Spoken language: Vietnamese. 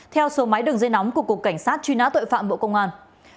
theo số máy đường dây nóng của cục cảnh sát truy nã tội phạm bộ công an